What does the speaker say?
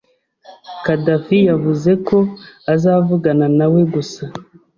Khadafi yavuze ko azavugana nawe gusa.